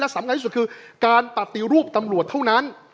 สำคัญที่สุดคือการปฏิรูปตำรวจเท่านั้น